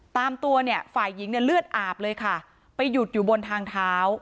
ตามตัวเนี่ยฝ่ายหญิงเนี่ยเลือดอาบเลยค่ะไปหยุดอยู่บนทางเท้า